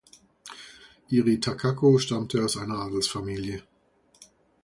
Irie Takako stammte aus einer Adelsfamilie.